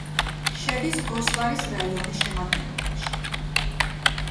შედის გოსლარის რაიონის შემადგენლობაში.